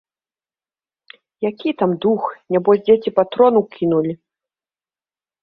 Які там дух, нябось дзеці патрон укінулі.